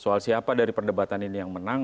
soal siapa dari perdebatan ini yang menang